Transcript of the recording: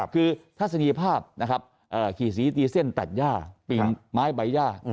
คือทัศนีภาพนะครับขี่สีตีเส้นตัดย่าปีนไม้ใบย่า